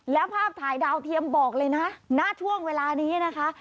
แล้วภาพถ่ายดาวเทียมบอกเลยนะณช่วงเวลานี้นะคะ